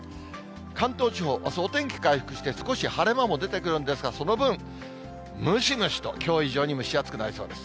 関東地方、あす、お天気回復して、少し晴れ間も出てくるんですが、その分、ムシムシと、きょう以上に蒸し暑くなりそうです。